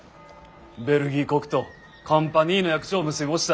ベルギー国とコンパニーの約定を結びもした。